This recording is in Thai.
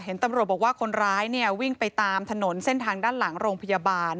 ตำรวจบอกว่าคนร้ายเนี่ยวิ่งไปตามถนนเส้นทางด้านหลังโรงพยาบาล